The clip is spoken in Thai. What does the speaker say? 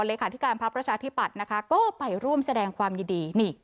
เลยค่ะที่การพับราชาธิปัตย์นะคะก็ไปร่วมแสดงความยิดีนี่